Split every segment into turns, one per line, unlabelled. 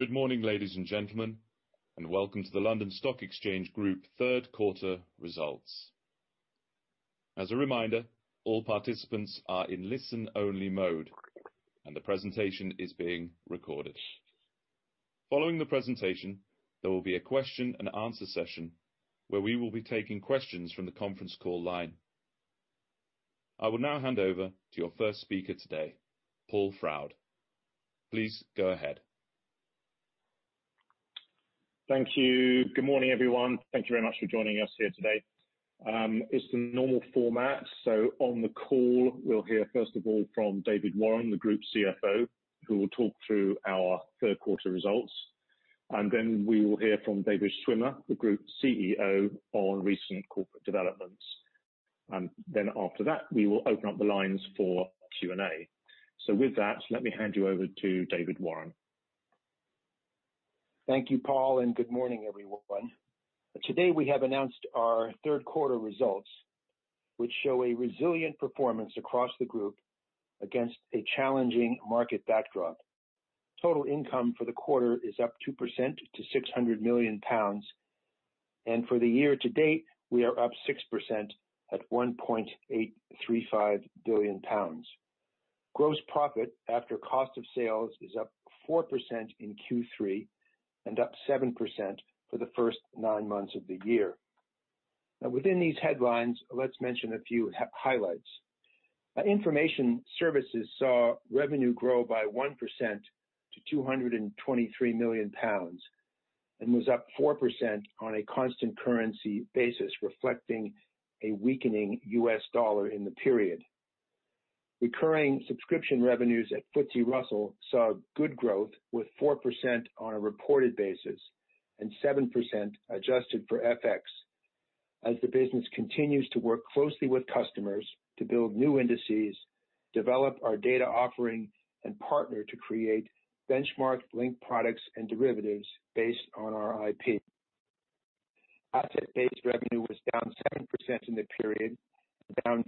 Good morning, ladies and gentlemen, welcome to the London Stock Exchange Group third quarter results. As a reminder, all participants are in listen-only mode, and the presentation is being recorded. Following the presentation, there will be a question and answer session where we will be taking questions from the conference call line. I will now hand over to your first speaker today, Paul Froud. Please go ahead.
Thank you. Good morning, everyone. Thank you very much for joining us here today. It's the normal format. On the call, we'll hear first of all from David Warren, the Group CFO, who will talk through our third quarter results. Then we will hear from David Schwimmer, the Group CEO, on recent corporate developments. Then after that, we will open up the lines for Q&A. With that, let me hand you over to David Warren.
Thank you, Paul, and good morning, everyone. Today we have announced our third quarter results, which show a resilient performance across the group against a challenging market backdrop. Total income for the quarter is up 2% to 600 million pounds, and for the year to date, we are up 6% at 1.835 billion pounds. Gross profit after cost of sales is up 4% in Q3 and up 7% for the first nine months of the year. Within these headlines, let's mention a few highlights. Information Services saw revenue grow by 1% to 223 million pounds and was up 4% on a constant currency basis, reflecting a weakening U.S. dollar in the period. Recurring subscription revenues at FTSE Russell saw good growth with 4% on a reported basis and 7% adjusted for FX. The business continues to work closely with customers to build new indices, develop our data offering, and partner to create benchmark-linked products and derivatives based on our IP. Asset-based revenue was down 7% in the period, down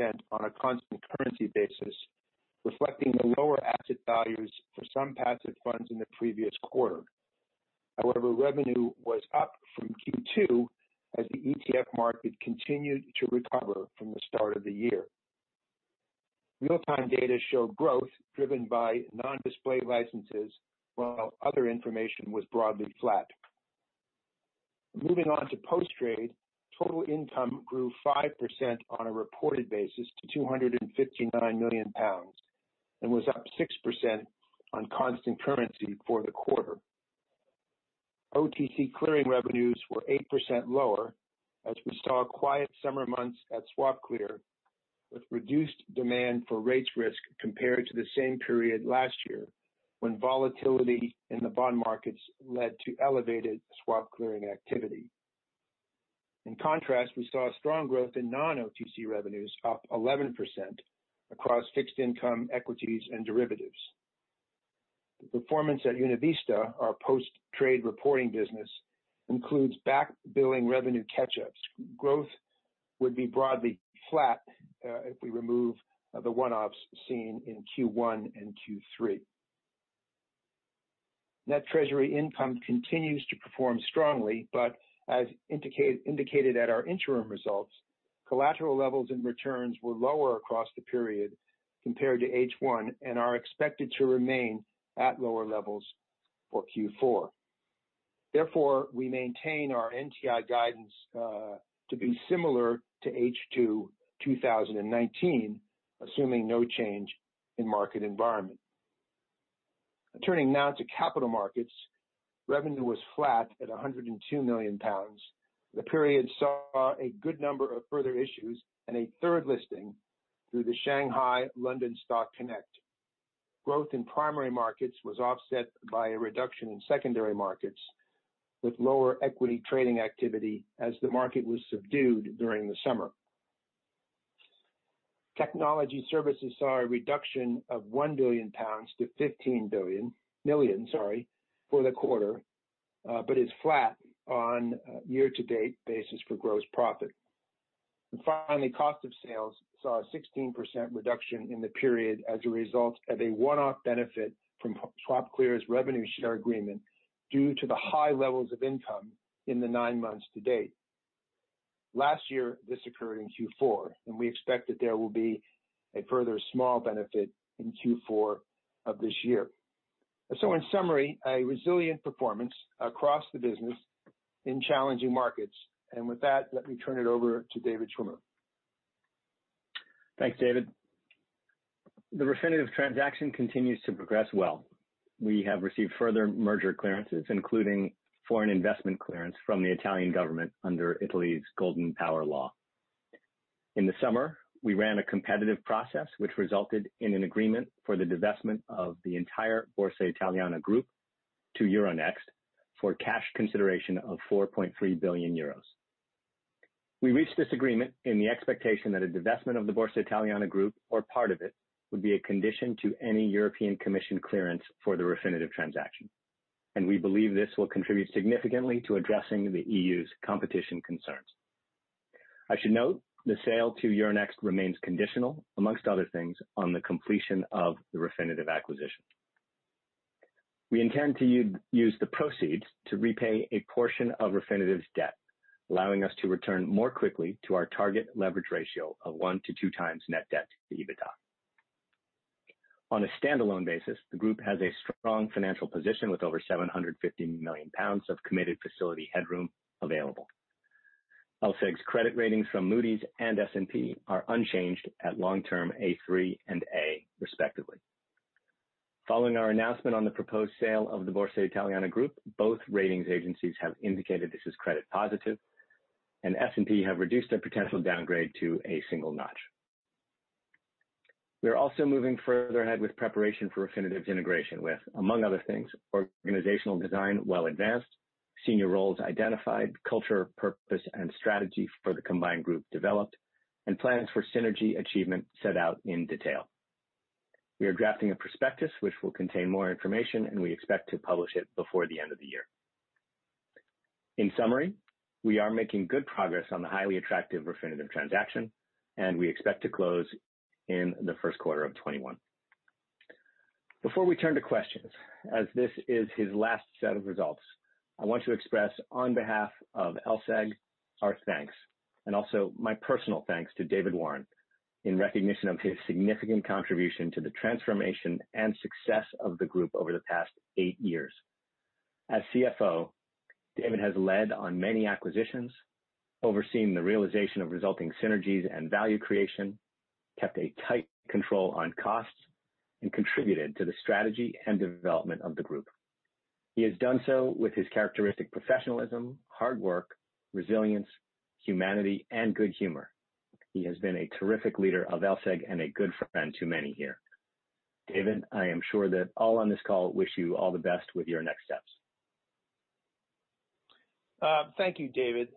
3% on a constant currency basis, reflecting the lower asset values for some passive funds in the previous quarter. Revenue was up from Q2 as the ETF market continued to recover from the start of the year. Real-time data showed growth driven by non-display licenses, while other information was broadly flat. Moving on to post-trade, total income grew 5% on a reported basis to 259 million pounds and was up 6% on constant currency for the quarter. OTC Clearing revenues were 8% lower as we saw quiet summer months at SwapClear, with reduced demand for rates risk compared to the same period last year, when volatility in the bond markets led to elevated swap clearing activity. In contrast, we saw strong growth in non-OTC revenues up 11% across fixed income equities and derivatives. The performance at UnaVista, our post-trade reporting business, includes back billing revenue catch-ups. Growth would be broadly flat if we remove the one-offs seen in Q1 and Q3. As indicated at our interim results, collateral levels and returns were lower across the period compared to H1 and are expected to remain at lower levels for Q4. Therefore, we maintain our NTI guidance to be similar to H2 2019, assuming no change in market environment. Turning now to Capital Markets, revenue was flat at 102 million pounds. The period saw a good number of further issues and a third listing through the Shanghai-London Stock Connect. Growth in primary markets was offset by a reduction in secondary markets, with lower equity trading activity as the market was subdued during the summer. Technology services saw a reduction of 1 million-15 million pounds for the quarter, but is flat on a year-to-date basis for gross profit. Finally, cost of sales saw a 16% reduction in the period as a result of a one-off benefit from SwapClear's revenue share agreement due to the high levels of income in the nine months to date. Last year, this occurred in Q4, and we expect that there will be a further small benefit in Q4 of this year. In summary, a resilient performance across the business in challenging markets. With that, let me turn it over to David Schwimmer.
Thanks, David. The Refinitiv transaction continues to progress well. We have received further merger clearances, including foreign investment clearance from the Italian government under Italy's Golden Power law. In the summer, we ran a competitive process which resulted in an agreement for the divestment of the entire Borsa Italiana group to Euronext for cash consideration of 4.3 billion euros. We reached this agreement in the expectation that a divestment of the Borsa Italiana group or part of it would be a condition to any European Commission clearance for the Refinitiv transaction. We believe this will contribute significantly to addressing the EU's competition concerns. I should note the sale to Euronext remains conditional, amongst other things, on the completion of the Refinitiv acquisition. We intend to use the proceeds to repay a portion of Refinitiv's debt, allowing us to return more quickly to our target leverage ratio of 1x-2x net debt to EBITDA. On a standalone basis, the group has a strong financial position with over 750 million pounds of committed facility headroom available. LSEG's credit ratings from Moody's and S&P are unchanged at long-term A3 and A respectively. Following our announcement on the proposed sale of the Borsa Italiana Group, both ratings agencies have indicated this is credit positive. S&P have reduced their potential downgrade to a single notch. We are also moving further ahead with preparation for Refinitiv's integration with, among other things, organizational design well advanced, senior roles identified, culture, purpose, and strategy for the combined group developed, and plans for synergy achievement set out in detail. We are drafting a prospectus which will contain more information. We expect to publish it before the end of the year. In summary, we are making good progress on the highly attractive Refinitiv transaction. We expect to close in the first quarter of 2021. Before we turn to questions, as this is his last set of results, I want to express on behalf of LSEG our thanks, and also my personal thanks to David Warren in recognition of his significant contribution to the transformation and success of the group over the past eight years. As CFO, David has led on many acquisitions, overseeing the realization of resulting synergies and value creation, kept a tight control on costs, and contributed to the strategy and development of the group. He has done so with his characteristic professionalism, hard work, resilience, humanity, and good humor. He has been a terrific leader of LSEG and a good friend to many here. David, I am sure that all on this call wish you all the best with your next steps.
Thank you, David.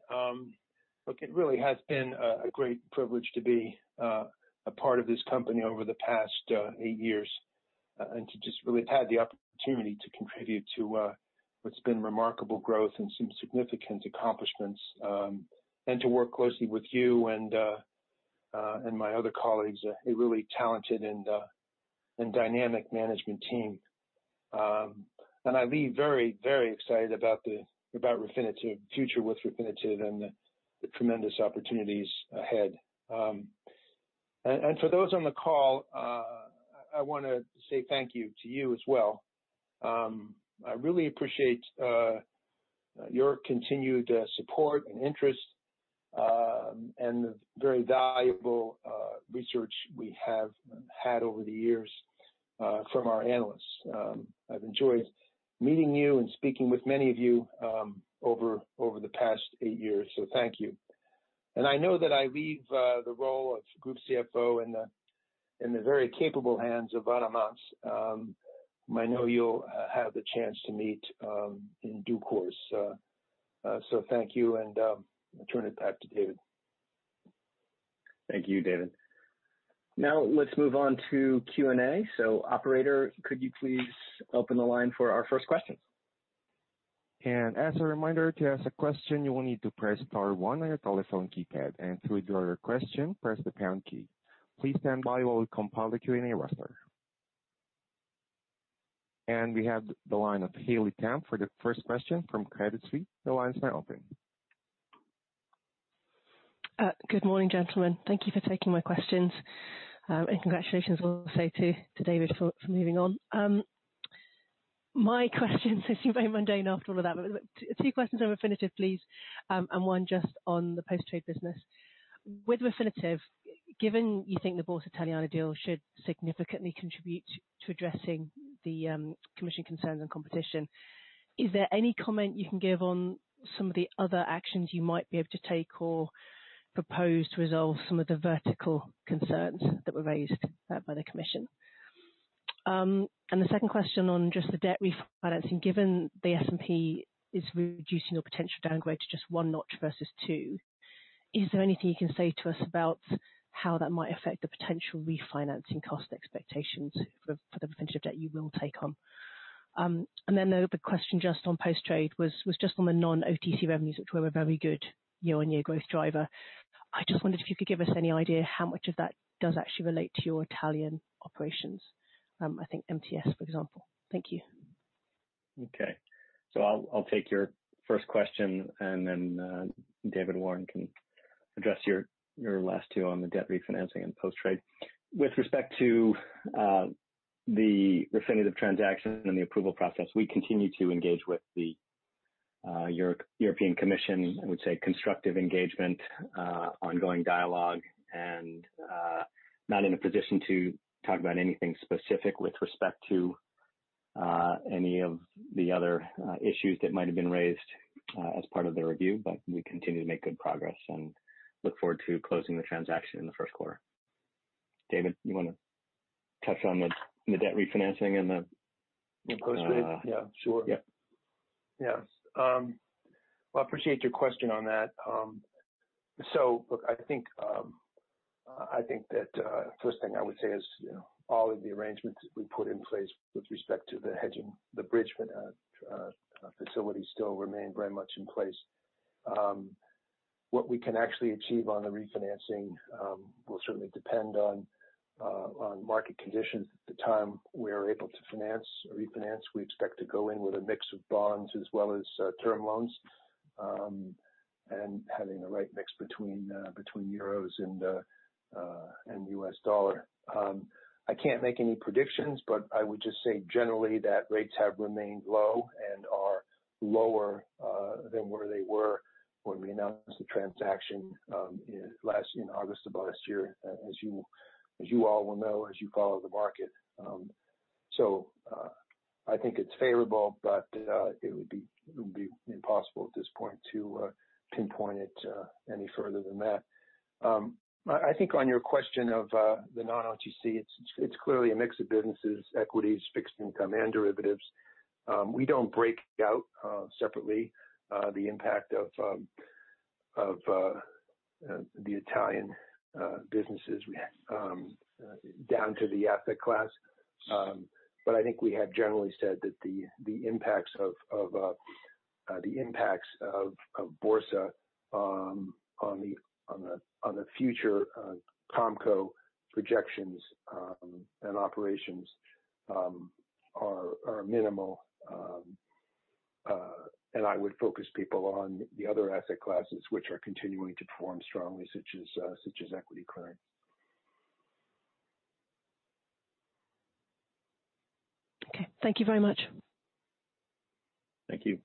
Look, it really has been a great privilege to be a part of this company over the past eight years, and to just really have had the opportunity to contribute to what's been remarkable growth and some significant accomplishments, and to work closely with you and my other colleagues, a really talented and dynamic management team. I leave very excited about the future with Refinitiv and the tremendous opportunities ahead. For those on the call, I want to say thank you to you as well. I really appreciate your continued support and interest, and the very valuable research we have had over the years from our analysts. I've enjoyed meeting you and speaking with many of you over the past eight years, so thank you. I know that I leave the role of Group CFO in the very capable hands of Anna Manz. Whom I know you'll have the chance to meet in due course. Thank you, and I'll turn it back to David.
Thank you, David. Let's move on to Q&A. Operator, could you please open the line for our first questions?
As a reminder, to ask a question, you will need to press star one on your telephone keypad, and to withdraw your question, press the pound key. Please stand by while we compile the Q&A roster. We have the line of Haley Tam for the first question from Credit Suisse. The line is now open.
Good morning, gentlemen. Thank you for taking my questions. Congratulations also to David for moving on. My questions seem very mundane after all of that. Two questions on Refinitiv, please, and one just on the post-trade business. With Refinitiv, given you think the Borsa Italiana deal should significantly contribute to addressing the Commission concerns and competition, is there any comment you can give on some of the other actions you might be able to take or propose to resolve some of the vertical concerns that were raised by the Commission? The second question on just the debt refinancing, given the S&P is reducing your potential downgrade to just one notch versus two, is there anything you can say to us about how that might affect the potential refinancing cost expectations for the Refinitiv debt you will take on? The other question just on post-trade was just on the non-OTC revenues, which were a very good year-on-year growth driver. I just wondered if you could give us any idea how much of that does actually relate to your Italian operations, I think MTS, for example. Thank you.
I'll take your first question, and then David Warren can address your last two on the debt refinancing and post-trade. With respect to the Refinitiv transaction and the approval process, we continue to engage with the European Commission. I would say constructive engagement, ongoing dialogue, and not in a position to talk about anything specific with respect to any of the other issues that might have been raised as part of the review. We continue to make good progress and look forward to closing the transaction in the first quarter. David, you want to touch on the debt refinancing and the-
Post-trade? Yeah, sure.
Yeah.
Yes. Well, I appreciate your question on that. Look, I think that first thing I would say is all of the arrangements that we put in place with respect to the hedging, the bridge facilities still remain very much in place. What we can actually achieve on the refinancing will certainly depend on market conditions at the time we are able to finance or refinance. We expect to go in with a mix of bonds as well as term loans, and having the right mix between euros and U.S. dollar. I can't make any predictions, but I would just say generally that rates have remained low and are lower than where they were when we announced the transaction in August of last year, as you all will know, as you follow the market. I think it's favorable, but it would be impossible at this point to pinpoint it any further than that. I think on your question of the non-OTC, it's clearly a mix of businesses, equities, fixed income, and derivatives. We don't break out separately the impact of the Italian businesses down to the asset class. But I think we have generally said that the impacts of Borsa on the future Comco projections and operations are minimal. I would focus people on the other asset classes which are continuing to perform strongly, such as equity clearing.
Okay. Thank you very much.
Thank you.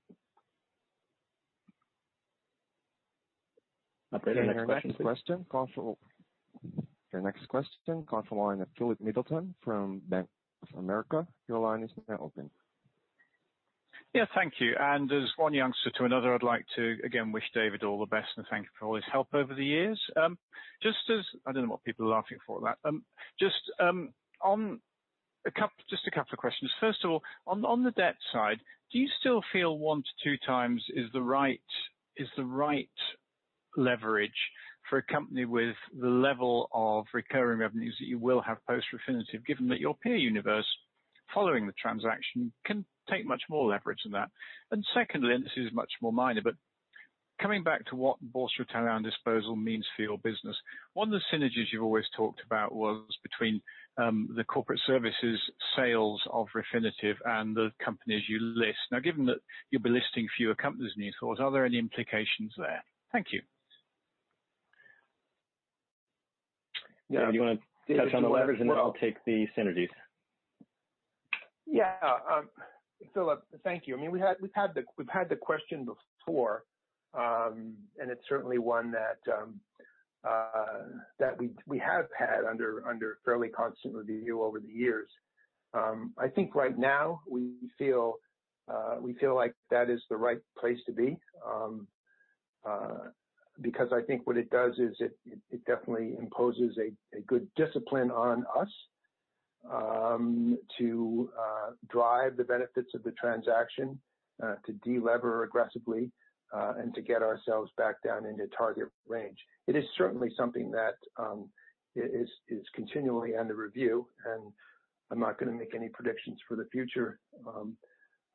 Operator, next question please.
Your next question comes from the line of Philip Middleton from Bank of America.
Yeah, thank you. As one youngster to another, I'd like to again wish David all the best, and thank you for all his help over the years. I don't know what people are laughing for at that. Just a couple of questions. First of all, on the debt side, do you still feel 1x-2x is the right leverage for a company with the level of recurring revenues that you will have post-Refinitiv, given that your peer universe following the transaction can take much more leverage than that? Secondly, and this is much more minor, but coming back to what Borsa Italiana disposal means for your business. One of the synergies you've always talked about was between the corporate services sales of Refinitiv and the companies you list. Now, given that you'll be listing fewer companies in the course, are there any implications there? Thank you.
David, do you want to touch on the leverage, and then I'll take the synergies.
Yeah. Philip, thank you. We've had the question before, and it's certainly one that we have had under fairly constant review over the years. I think right now we feel like that is the right place to be, because I think what it does is it definitely imposes a good discipline on us to drive the benefits of the transaction to de-lever aggressively, and to get ourselves back down into target range. It is certainly something that is continually under review, and I'm not going to make any predictions for the future.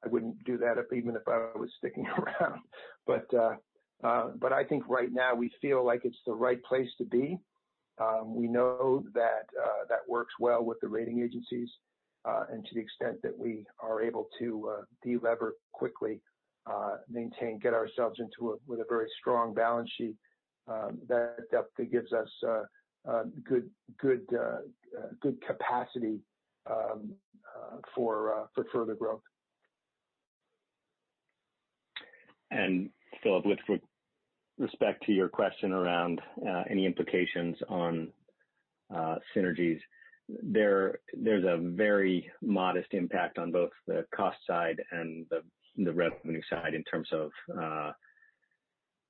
I wouldn't do that even if I was sticking around. I think right now we feel like it's the right place to be. We know that works well with the rating agencies. To the extent that we are able to de-lever quickly, get ourselves into with a very strong balance sheet, that definitely gives us good capacity for further growth.
Philip, with respect to your question around any implications on synergies, there's a very modest impact on both the cost side and the revenue side in terms of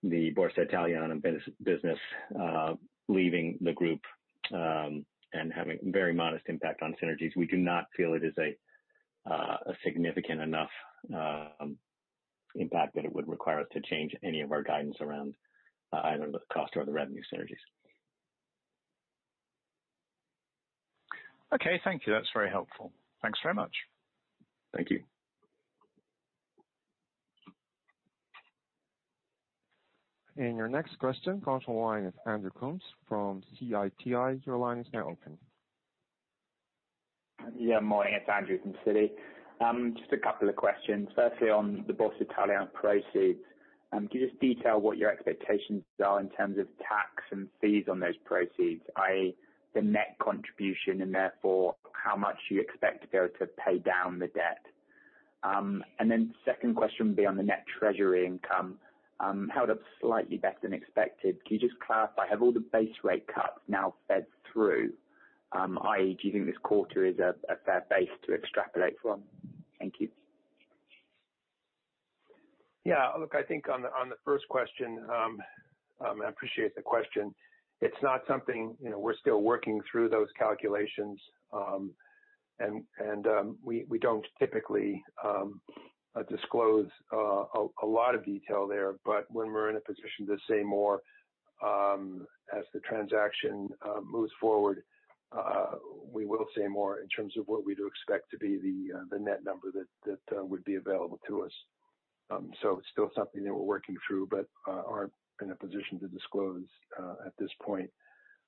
the Borsa Italiana business leaving the group, and having very modest impact on synergies. We do not feel it is a significant enough impact that it would require us to change any of our guidance around either the cost or the revenue synergies.
Okay, thank you. That's very helpful. Thanks very much.
Thank you.
Your next question, comes from the line of Andrew Coombs from Citi. Your line is now open.
Morning. It is Andrew from Citi. Just a couple of questions. Firstly, on the Borsa Italiana proceeds, can you just detail what your expectations are in terms of tax and fees on those proceeds, i.e., the net contribution, and therefore how much you expect to be able to pay down the debt? Second question will be on the net treasury income. Held up slightly better than expected. Can you just clarify, have all the base rate cuts now fed through, i.e., do you think this quarter is a fair base to extrapolate from? Thank you.
Yeah. Look, I think on the first question, and I appreciate the question. We're still working through those calculations. We don't typically disclose a lot of detail there, but when we're in a position to say more as the transaction moves forward, we will say more in terms of what we do expect to be the net number that would be available to us. It's still something that we're working through but aren't in a position to disclose at this point.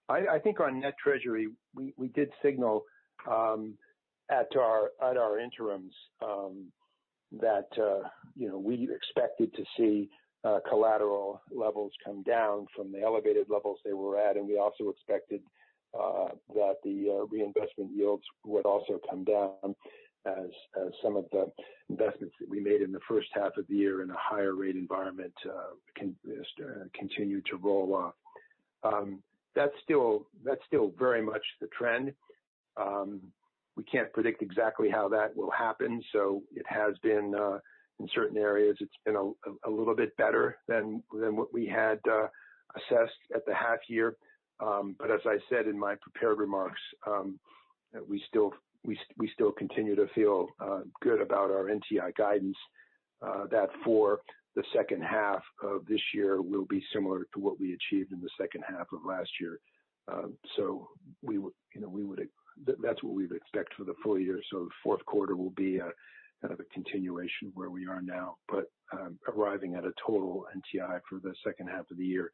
I think on net treasury, we did signal at our interims that we expected to see collateral levels come down from the elevated levels they were at, and we also expected that the reinvestment yields would also come down as some of the investments that we made in the first half of the year in a higher rate environment continue to roll off. That's still very much the trend. We can't predict exactly how that will happen. In certain areas, it's been a little bit better than what we had assessed at the half year. As I said in my prepared remarks, we still continue to feel good about our NTI guidance, that for the second half of this year will be similar to what we achieved in the second half of last year. That's what we would expect for the full year. The fourth quarter will be kind of a continuation of where we are now, but arriving at a total NTI for the second half of the year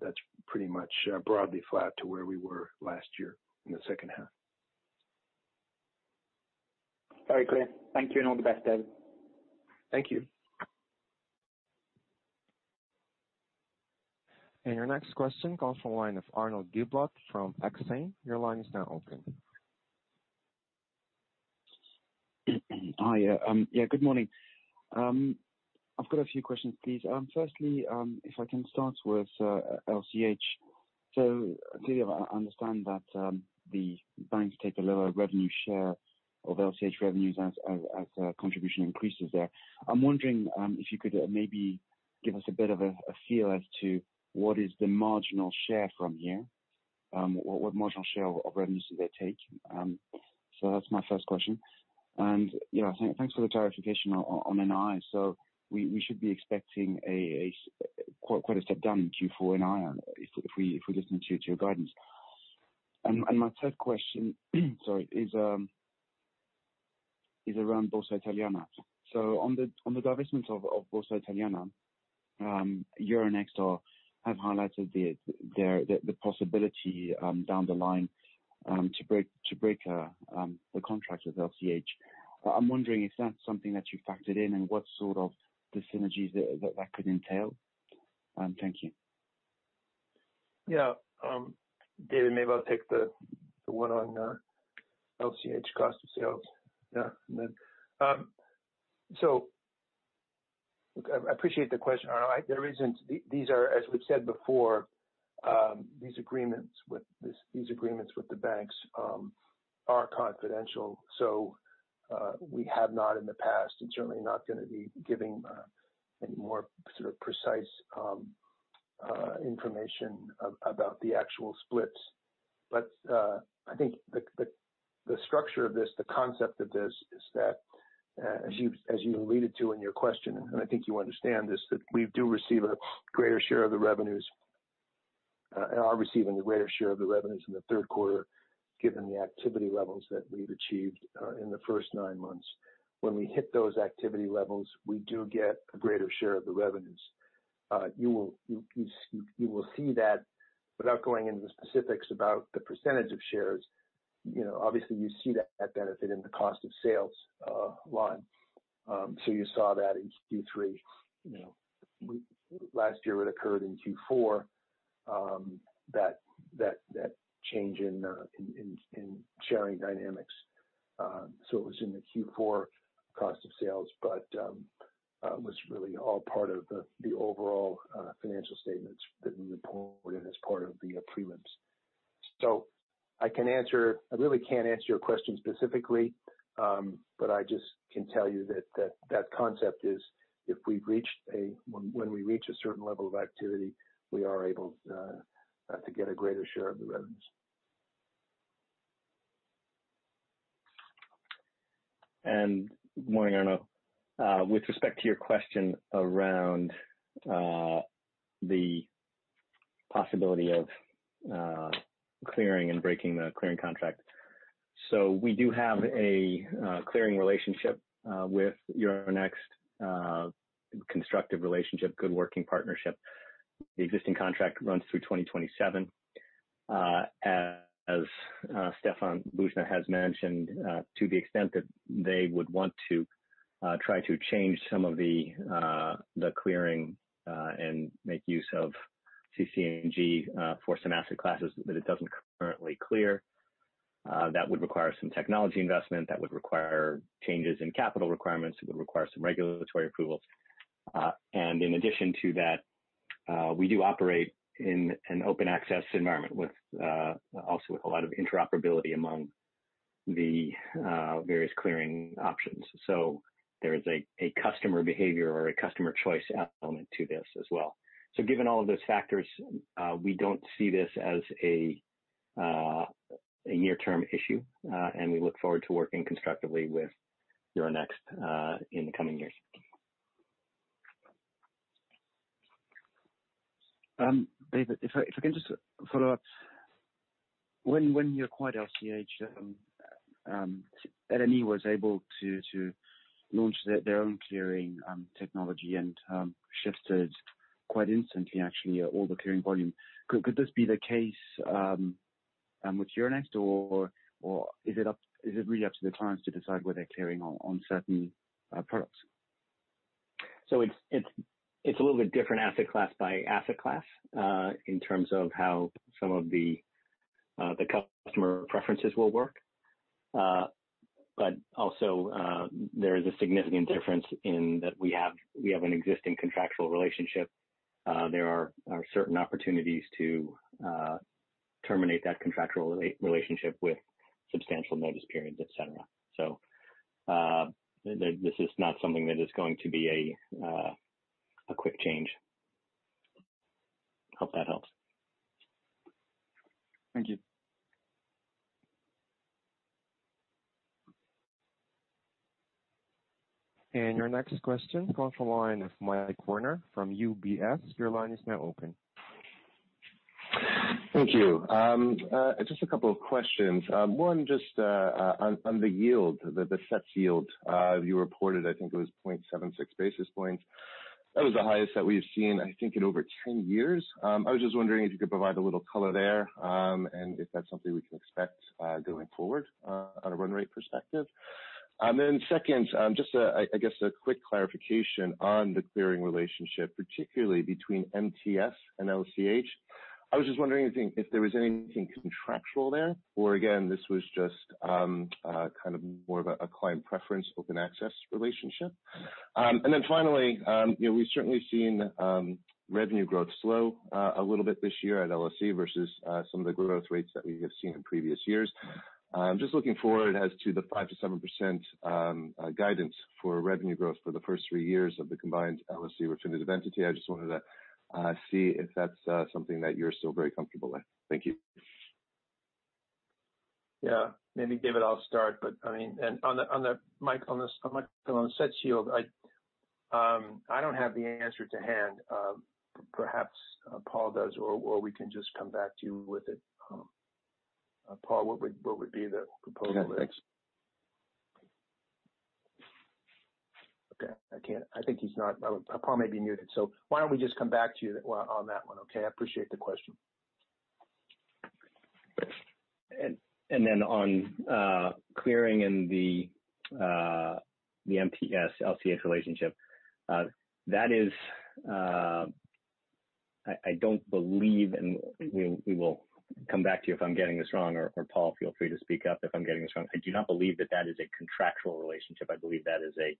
that's pretty much broadly flat to where we were last year in the second half.
Very clear. Thank you, and all the best, David.
Thank you.
Your next question comes from the line of Arnaud Giblat from Exane. Your line is now open.
Hi. Yeah, good morning. I've got a few questions, please. Firstly, if I can start with LCH. Clearly, I understand that the banks take a lower revenue share of LCH revenues as contribution increases there. I'm wondering if you could maybe give us a bit of a feel as to what is the marginal share from here, what marginal share of revenues do they take? That's my first question. Thanks for the clarification on NTI. We should be expecting quite a step down in Q4 NTI if we listen to your guidance. My third question is around Borsa Italiana. On the divestment of Borsa Italiana, Euronext have highlighted the possibility down the line to break the contract with LCH. I'm wondering if that's something that you factored in and what sort of synergies that could entail. Thank you.
Yeah. David, maybe I'll take the one on LCH cost of sales. I appreciate the question, Arnaud. These are, as we've said before, these agreements with the banks are confidential. We have not in the past, and certainly not going to be giving any more sort of precise information about the actual splits. I think the structure of this, the concept of this is that, as you alluded to in your question, and I think you understand this, that we do receive a greater share of the revenues and are receiving a greater share of the revenues in the third quarter, given the activity levels that we've achieved in the first nine months. When we hit those activity levels, we do get a greater share of the revenues. You will see that without going into the specifics about the percentage of shares, obviously you see that benefit in the cost of sales line. You saw that in Q3. Last year it occurred in Q4, that change in sharing dynamics. It was in the Q4 cost of sales, but was really all part of the overall financial statements that we reported as part of the prelims. I really can't answer your question specifically, but I just can tell you that that concept is when we reach a certain level of activity, we are able to get a greater share of the revenues.
Morning, Arnaud. With respect to your question around the possibility of clearing and breaking the clearing contract. We do have a clearing relationship with Euronext, a constructive relationship, good working partnership. The existing contract runs through 2027. As Stéphane Boujnah has mentioned, to the extent that they would want to try to change some of the clearing and make use of CC&G for some asset classes that it doesn't currently clear, that would require some technology investment. That would require changes in capital requirements. It would require some regulatory approvals. In addition to that, we do operate in an open access environment also with a lot of interoperability among the various clearing options. There is a customer behavior or a customer choice element to this as well. Given all of those factors, we don't see this as a near-term issue, and we look forward to working constructively with Euronext in the coming years.
David, if I can just follow up. When you acquired LCH, LME was able to launch their own clearing technology and shifted quite instantly, actually, all the clearing volume. Could this be the case with Euronext? Is it really up to the clients to decide where they're clearing on certain products?
It's a little bit different asset class by asset class, in terms of how some of the customer preferences will work. Also, there is a significant difference in that we have an existing contractual relationship. There are certain opportunities to terminate that contractual relationship with substantial notice periods, et cetera. This is not something that is going to be a quick change. Hope that helps.
Thank you.
Your next question comes from the line of Mike Werner from UBS. Your line is now open.
Thank you. Just a couple of questions. One just on the yield, the SETS yield. You reported, I think it was 0.76 basis points. That was the highest that we've seen, I think, in over 10 years. I was just wondering if you could provide a little color there, and if that's something we can expect going forward on a run rate perspective. Second, just I guess a quick clarification on the clearing relationship, particularly between MTS and LCH. I was just wondering if there was anything contractual there, or again, this was just kind of more of a client preference, open access relationship. Finally, we've certainly seen revenue growth slow a little bit this year at LSEG versus some of the growth rates that we have seen in previous years. Just looking forward as to the 5%-7% guidance for revenue growth for the first three years of the combined LSEG Refinitiv entity. I just wanted to see if that's something that you're still very comfortable with. Thank you.
Yeah. Maybe, David, I'll start. I mean, on the SETS yield, I don't have the answer to hand. Perhaps Paul does, or we can just come back to you with it. Paul, what would be the proposal there?
Okay, thanks.
Okay. I think Paul may be muted. Why don't we just come back to you on that one, okay? I appreciate the question.
Then on clearing and the MTS LCH relationship, I don't believe, and we will come back to you if I'm getting this wrong, or Paul, feel free to speak up if I'm getting this wrong. I do not believe that that is a contractual relationship. I believe that is a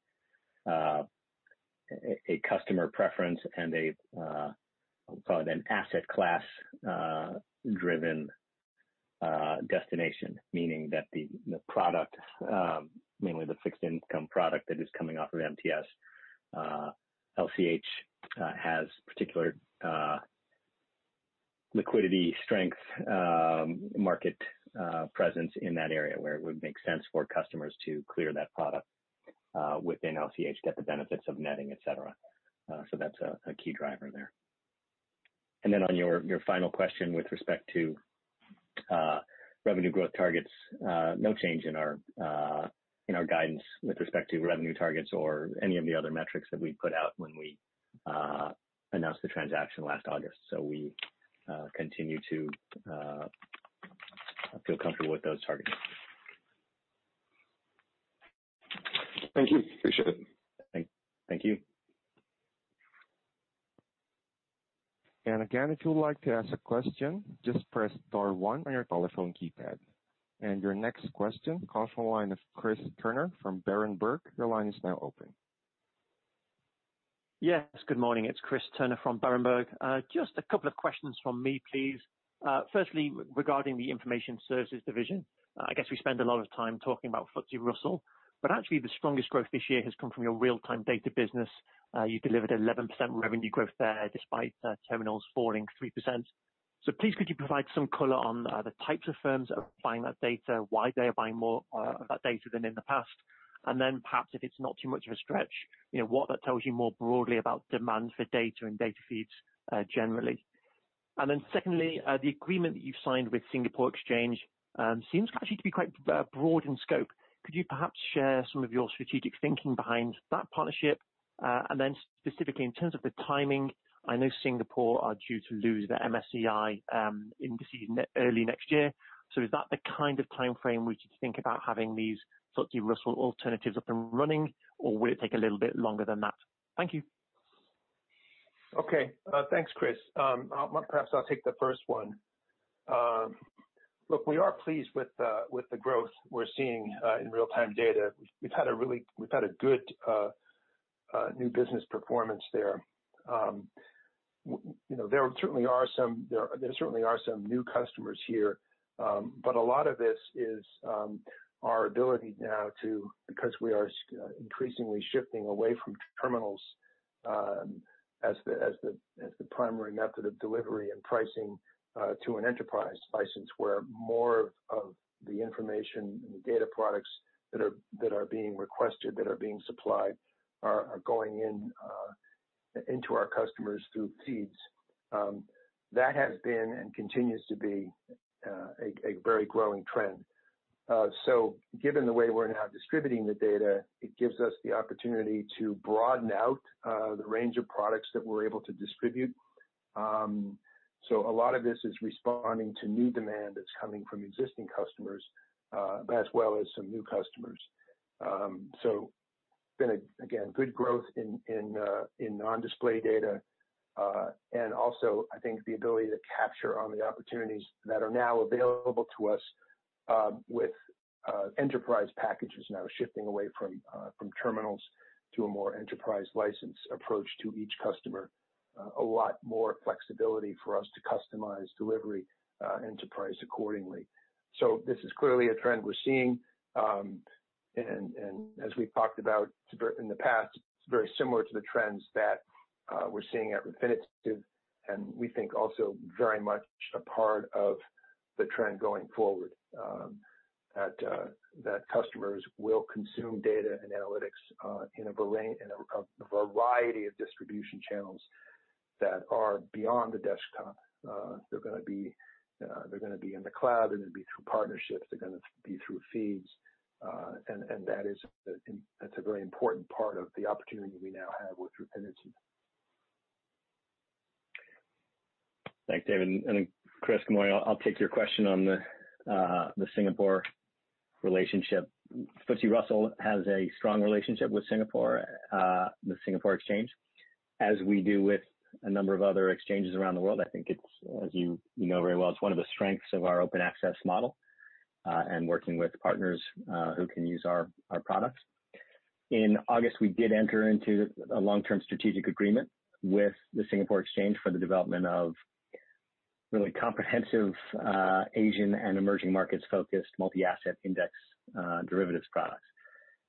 customer preference and a, we'll call it an asset class-driven destination. Meaning that the product, mainly the fixed income product that is coming off of MTS, LCH has particular liquidity strength market presence in that area where it would make sense for customers to clear that product within LCH, get the benefits of netting, et cetera. That's a key driver there. On your final question with respect to revenue growth targets, no change in our guidance with respect to revenue targets or any of the other metrics that we put out when we announced the transaction last August. We continue to feel comfortable with those targets.
Thank you. Appreciate it.
Thank you.
Again if you would like to ask a question, please press star one on your telephone keypad. Your next question comes from the line of Chris Turner from Berenberg.
Yes. Good morning, it's Chris Turner from Berenberg. Just a couple of questions from me, please. Firstly, regarding the Information Services division. I guess we spend a lot of time talking about FTSE Russell, actually the strongest growth this year has come from your real-time data business. You delivered 11% revenue growth there despite terminals falling 3%. Please, could you provide some color on the types of firms that are buying that data, why they are buying more of that data than in the past? Perhaps if it's not too much of a stretch, what that tells you more broadly about demand for data and data feeds generally. Secondly, the agreement that you've signed with Singapore Exchange seems actually to be quite broad in scope. Could you perhaps share some of your strategic thinking behind that partnership? Specifically in terms of the timing, I know Singapore are due to lose their MSCI indices early next year. Is that the kind of timeframe we could think about having these FTSE Russell alternatives up and running? Will it take a little bit longer than that? Thank you.
Okay. Thanks, Chris. Perhaps I'll take the first one. Look, we are pleased with the growth we're seeing in real-time data. We've had a good new business performance there. There certainly are some new customers here, but a lot of this is our ability now to, because we are increasingly shifting away from terminals as the primary method of delivery and pricing to an enterprise license, where more of the information and the data products that are being requested, that are being supplied, are going into our customers through feeds. That has been, and continues to be, a very growing trend. Given the way we're now distributing the data, it gives us the opportunity to broaden out the range of products that we're able to distribute. A lot of this is responding to new demand that's coming from existing customers, as well as some new customers. Again, good growth in non-display data. Also, I think the ability to capture all the opportunities that are now available to us with enterprise packages now shifting away from terminals to a more enterprise license approach to each customer. A lot more flexibility for us to customize delivery and to price accordingly. This is clearly a trend we're seeing, and as we've talked about in the past, it's very similar to the trends that we're seeing at Refinitiv, and we think also very much a part of the trend going forward, that customers will consume data and analytics in a variety of distribution channels that are beyond the desktop. They're going to be in the cloud, they're going to be through partnerships, they're going to be through feeds. That's a very important part of the opportunity we now have with Refinitiv.
Thanks, David. Chris good morning, I'll take your question on the Singapore relationship. FTSE Russell has a strong relationship with Singapore, the Singapore Exchange, as we do with a number of other exchanges around the world. I think it's, as you know very well, it's one of the strengths of our open access model, and working with partners who can use our products. In August, we did enter into a long-term strategic agreement with the Singapore Exchange for the development of really comprehensive Asian and emerging markets-focused multi-asset index derivatives products.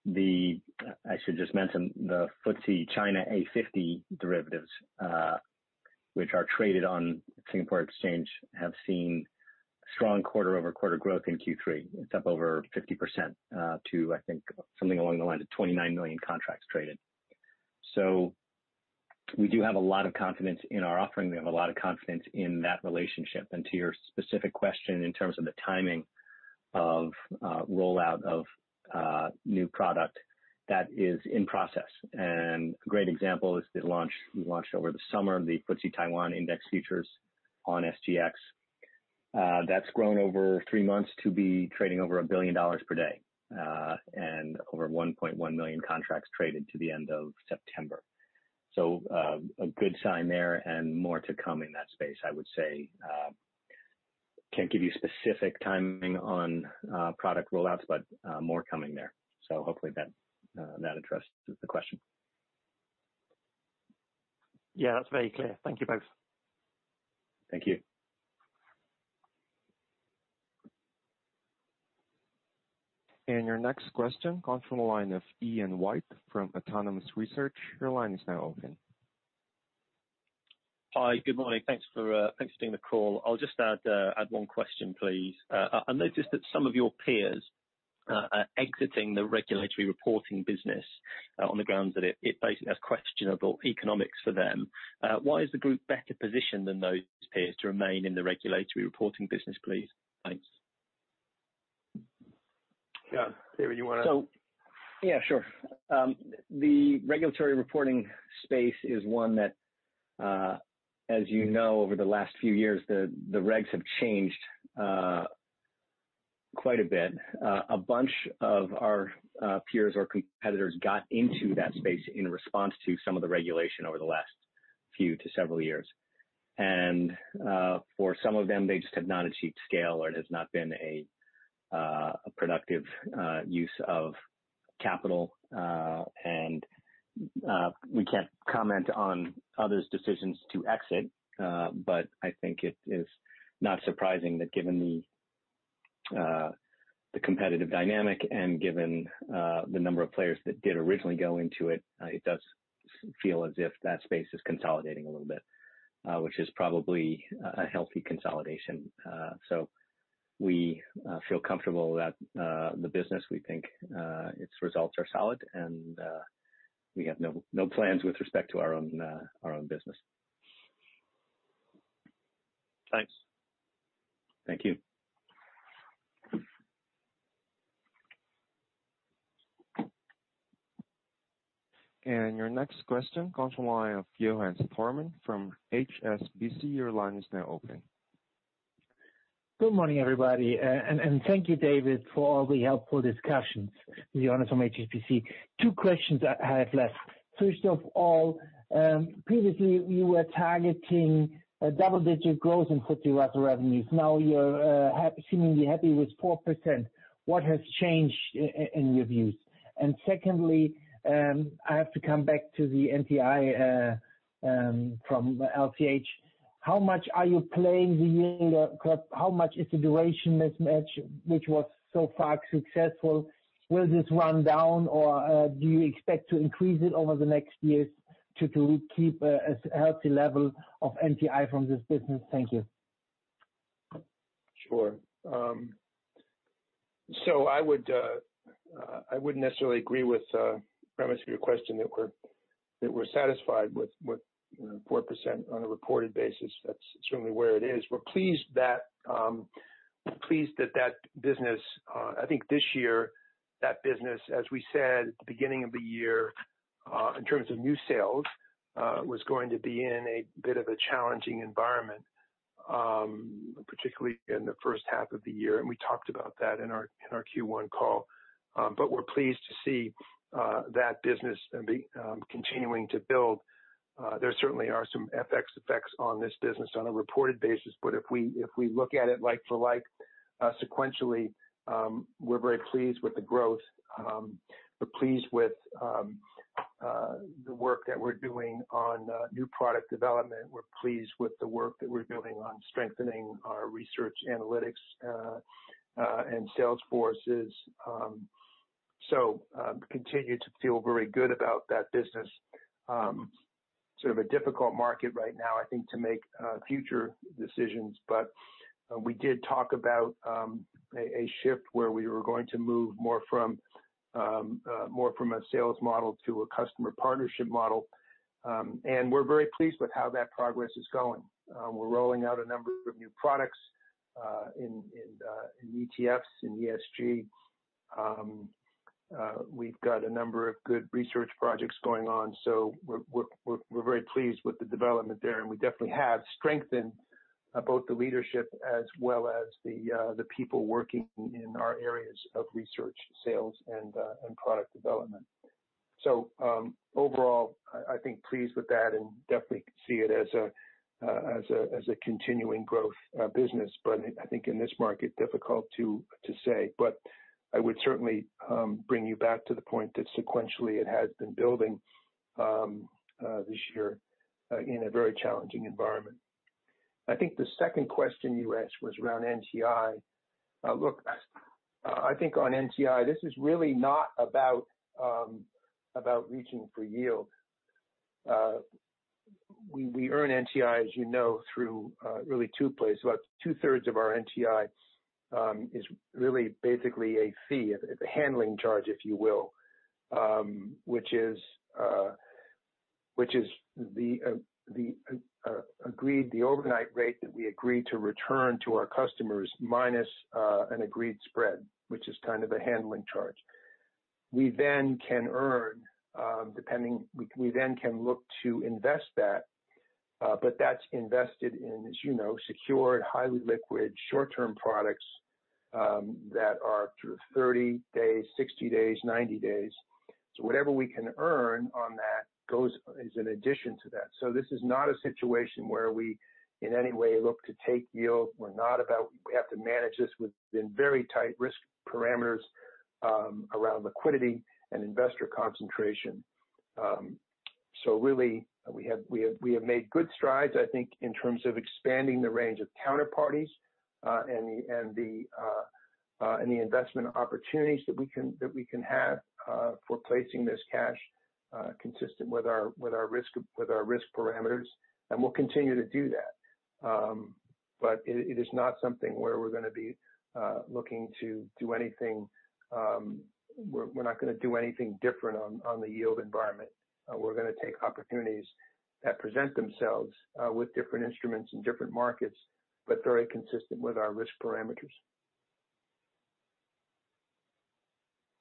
I should just mention, the FTSE China A50 derivatives, which are traded on Singapore Exchange, have seen strong quarter-over-quarter growth in Q3. It's up over 50% to, I think, something along the line of 29 million contracts traded. We do have a lot of confidence in our offering. We have a lot of confidence in that relationship. To your specific question in terms of the timing of rollout of new product, that is in process. A great example is the launch, we launched over the summer, the FTSE Taiwan Index Futures on SGX. That's grown over three months to be trading over $1 billion per day, and over 1.1 million contracts traded to the end of September. A good sign there, and more to come in that space, I would say. Can't give you specific timing on product rollouts, but more coming there. Hopefully that addresses the question.
Yeah, that's very clear. Thank you both.
Thank you.
Your next question comes from the line of Ian White from Autonomous Research.
Hi. Good morning. Thanks for doing the call. I'll just add one question, please. I noticed that some of your peers are exiting the regulatory reporting business on the grounds that it basically has questionable economics for them. Why is the group better positioned than those peers to remain in the regulatory reporting business, please? Thanks.
Yeah. David, you want to-
Yeah, sure. The regulatory reporting space is one that, as you know, over the last few years, the regs have changed quite a bit. A bunch of our peers or competitors got into that space in response to some of the regulation over the last few to several years. For some of them, they just have not achieved scale, or it has not been a productive use of capital. We can't comment on others' decisions to exit, but I think it is not surprising that given the competitive dynamic and given the number of players that did originally go into it does feel as if that space is consolidating a little bit. Which is probably a healthy consolidation. We feel comfortable that the business, we think its results are solid, and we have no plans with respect to our own business.
Thanks.
Thank you.
Your next question comes from the line of Johannes Thormann from HSBC.
Good morning, everybody. Thank you, David, for all the helpful discussions. Johannes from HSBC. Two questions I have left. First of all, previously you were targeting a double-digit growth in FTSE Russell revenues. Now you're seemingly happy with 4%. What has changed in your views? Secondly, I have to come back to the NTI from LCH. How much are you playing the yield curve? How much is the duration mismatch, which was so far successful? Will this run down, or do you expect to increase it over the next years to keep a healthy level of NTI from this business? Thank you.
Sure. I wouldn't necessarily agree with the premise of your question that we're satisfied with 4% on a reported basis. That's certainly where it is. We're pleased that that business, I think this year, that business, as we said at the beginning of the year, in terms of new sales, was going to be in a bit of a challenging environment, particularly in the first half of the year, and we talked about that in our Q1 call. We're pleased to see that business continuing to build. There certainly are some FX effects on this business on a reported basis, but if we look at it like for like, sequentially, we're very pleased with the growth. We're pleased with the work that we're doing on new product development. We're pleased with the work that we're doing on strengthening our research analytics, and sales forces. Continue to feel very good about that business. Sort of a difficult market right now, I think, to make future decisions. We did talk about a shift where we were going to move more from a sales model to a customer partnership model. We're very pleased with how that progress is going. We're rolling out a number of new products, in ETFs and ESG. We've got a number of good research projects going on, so we're very pleased with the development there, and we definitely have strengthened both the leadership as well as the people working in our areas of research, sales, and product development. Overall, I think pleased with that and definitely see as a continuing growth business. I think in this market, difficult to say. I would certainly bring you back to the point that sequentially it has been building this year in a very challenging environment. I think the second question you asked was around NTI. I think on NTI, this is really not about reaching for yield. We earn NTI, as you know, through really two places. About two-thirds of our NTI is really basically a fee, a handling charge, if you will, which is the overnight rate that we agree to return to our customers, minus an agreed spread, which is kind of a handling charge. We can look to invest that. That's invested in, as you know, secured, highly liquid, short-term products that are 30 days, 60 days, 90 days. Whatever we can earn on that is in addition to that. This is not a situation where we, in any way, look to take yield. We have to manage this within very tight risk parameters around liquidity and investor concentration. Really, we have made good strides, I think, in terms of expanding the range of counterparties, and the investment opportunities that we can have for placing this cash, consistent with our risk parameters. We'll continue to do that. It is not something where we're going to be looking to do anything. We're not going to do anything different on the yield environment. We're going to take opportunities that present themselves with different instruments in different markets, but very consistent with our risk parameters.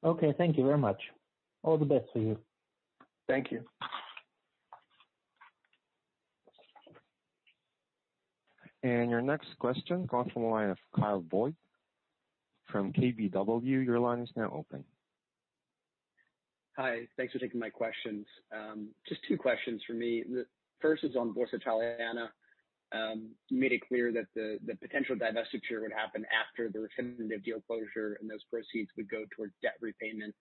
Okay. Thank you very much. All the best to you.
Thank you.
Your next question comes from the line of Kyle Voigt from KBW. Your line is now open.
Hi. Thanks for taking my questions. Just two questions from me. The first is on Borsa Italiana. You made it clear that the potential divestiture would happen after the Refinitiv deal closure and those proceeds would go towards debt repayment.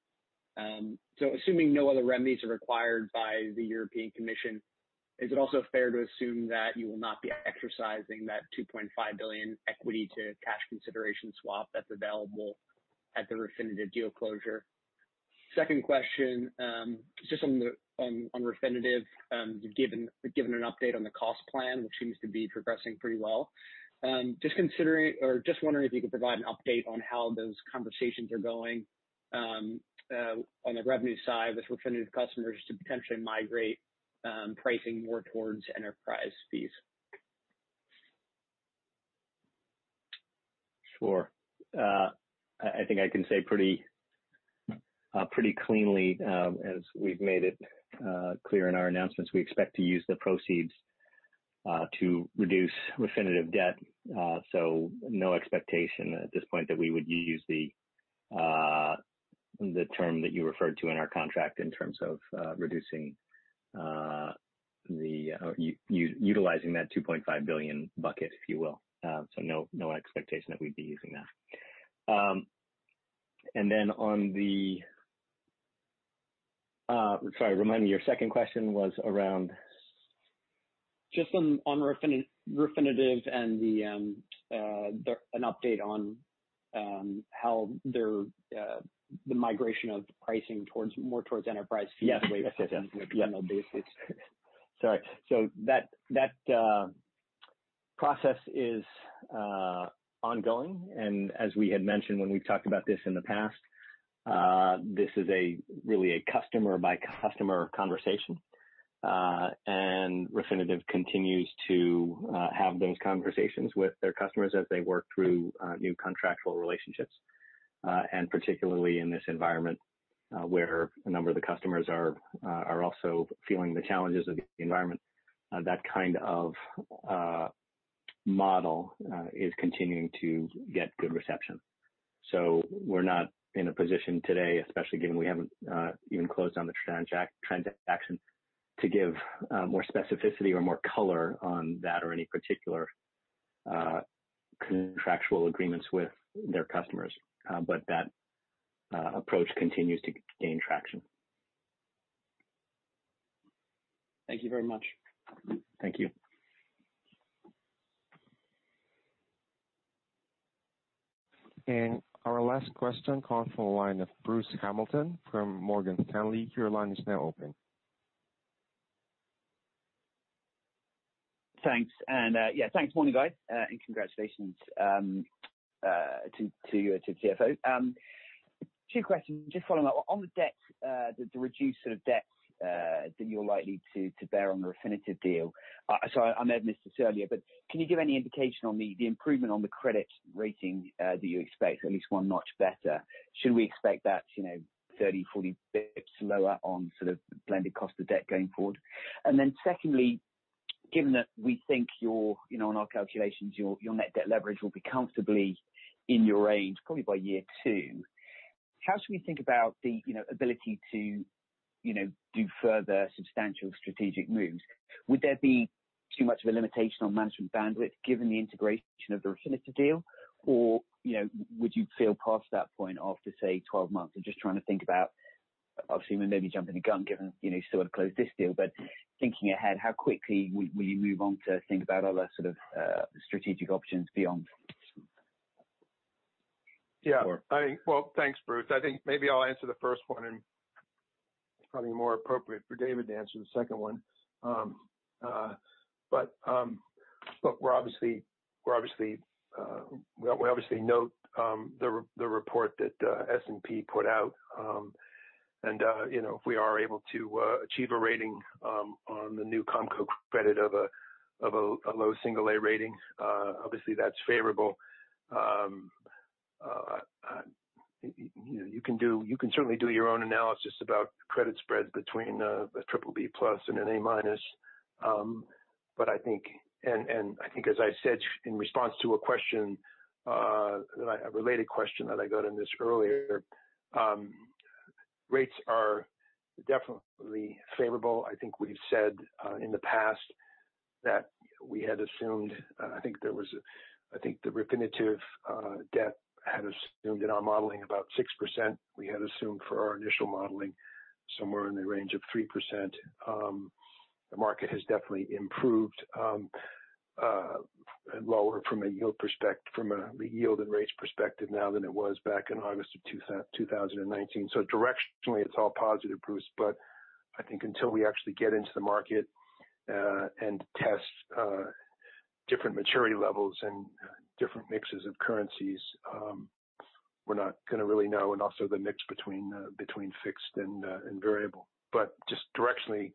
Assuming no other remedies are required by the European Commission, is it also fair to assume that you will not be exercising that $2.5 billion equity to cash consideration swap that's available at the Refinitiv deal closure? Second question, just on Refinitiv. You've given an update on the cost plan, which seems to be progressing pretty well. Just wondering if you could provide an update on how those conversations are going on the revenue side with Refinitiv customers to potentially migrate pricing more towards enterprise fees.
Sure. I think I can say pretty cleanly, as we've made it clear in our announcements, we expect to use the proceeds to reduce Refinitiv debt. No expectation at this point that we would use the term that you referred to in our contract in terms of utilizing that $2.5 billion bucket, if you will. No expectation that we'd be using that.
Sorry, remind me, your second question was around? Just on Refinitiv and an update on how the migration of the pricing more towards enterprise basis. That process is ongoing, and as we had mentioned when we've talked about this in the past, this is really a customer-by-customer conversation. Refinitiv continues to have those conversations with their customers as they work through new contractual relationships. Particularly in this environment, where a number of the customers are also feeling the challenges of the environment. That kind of model is continuing to get good reception. We're not in a position today, especially given we haven't even closed on the transaction, to give more specificity or more color on that or any particular contractual agreements with their customers. That approach continues to gain traction.
Thank you very much.
Thank you.
Our last question comes from the line of Bruce Hamilton from Morgan Stanley. Your line is now open.
Thanks. Morning, guys, and congratulations to the CFO. Two questions, just following up on the reduced sort of debts that you're likely to bear on the Refinitiv deal. Sorry, I may have missed this earlier, but can you give any indication on the improvement on the credit rating that you expect, at least one notch better? Should we expect that 30, 40 basis points lower on sort of blended cost of debt going forward? Secondly, given that we think your, on our calculations, your net debt leverage will be comfortably in your range, probably by year 2, how should we think about the ability to do further substantial strategic moves? Would there be too much of a limitation on management bandwidth given the integration of the Refinitiv deal? Or would you feel past that point after, say, 12 months? I'm just trying to think about, obviously, we may be jumping the gun given you still want to close this deal, but thinking ahead, how quickly will you move on to think about other sort of strategic options beyond?
Yeah. Well, thanks, Bruce. I think maybe I'll answer the first one, and it's probably more appropriate for David to answer the second one. We obviously note the report that S&P put out. If we are able to achieve a rating on the new Comco credit of a low single A rating, obviously that's favorable. You can certainly do your own analysis about credit spreads between a triple B+ and an A-. I think as I said in response to a related question that I got in this earlier, rates are definitely favorable. I think we've said in the past that we had assumed, I think the Refinitiv debt had assumed in our modeling about 6%. We had assumed for our initial modeling somewhere in the range of 3%. The market has definitely improved lower from a yield and rates perspective now than it was back in August of 2019. Directionally, it's all positive, Bruce, but I think until we actually get into the market, and test different maturity levels and different mixes of currencies, we're not going to really know, and also the mix between fixed and variable. Just directionally,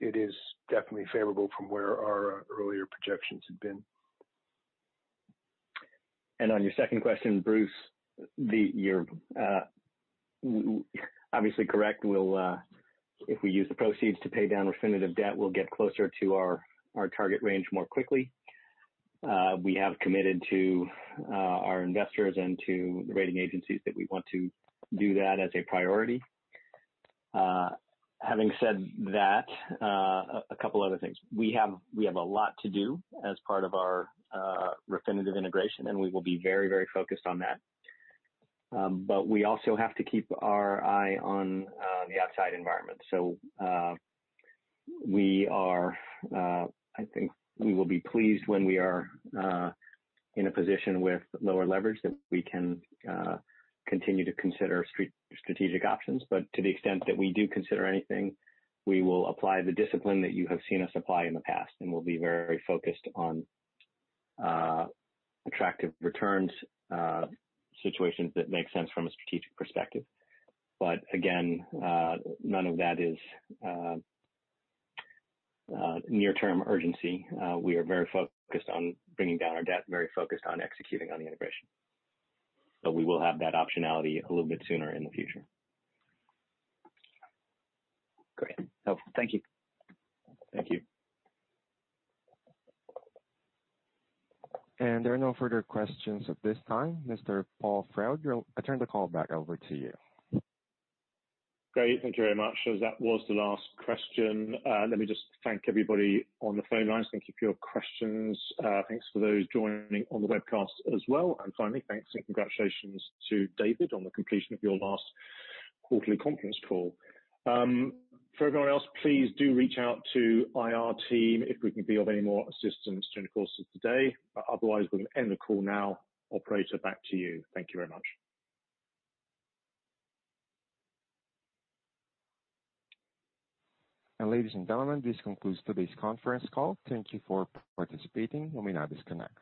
it is definitely favorable from where our earlier projections had been.
On your second question, Bruce, you're obviously correct. If we use the proceeds to pay down Refinitiv debt, we'll get closer to our target range more quickly. We have committed to our investors and to the rating agencies that we want to do that as a priority. Having said that, a couple other things. We have a lot to do as part of our Refinitiv integration, and we will be very focused on that. We also have to keep our eye on the outside environment. I think we will be pleased when we are in a position with lower leverage that we can continue to consider strategic options. To the extent that we do consider anything, we will apply the discipline that you have seen us apply in the past, and we'll be very focused on attractive returns, situations that make sense from a strategic perspective. Again, none of that is near-term urgency. We are very focused on bringing down our debt, very focused on executing on the integration. We will have that optionality a little bit sooner in the future.
Great. Helpful. Thank you.
Thank you.
There are no further questions at this time. Mr. Paul Froud, I turn the call back over to you.
Great. Thank you very much. As that was the last question, let me just thank everybody on the phone lines. Thank you for your questions. Thanks for those joining on the webcast as well. Finally, thanks and congratulations to David on the completion of your last quarterly conference call. For everybody else, please do reach out to IR team if we can be of any more assistance during the course of the day. Otherwise, we'll end the call now. Operator, back to you. Thank you very much.
And ladies and gentlemen, this concludes today's conference call. Thank you for participating. You may now disconnect.